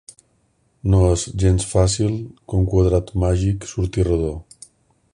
No és gens fàcil que un quadrat màgic surti rodó.